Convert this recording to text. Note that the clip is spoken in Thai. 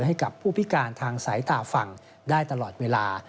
ให้กับผู้พิการทางสายตาฝั่งได้ตลอดเวลา